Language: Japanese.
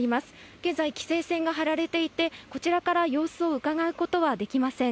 現在規制線が張られていて、こちらから様子をうかがうことはできません。